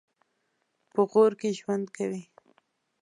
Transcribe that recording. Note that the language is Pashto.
په غور کې ژوند کوي.